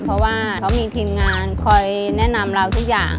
เพราะว่าเขามีทีมงานคอยแนะนำเราทุกอย่าง